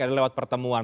adalah lewat pertemuan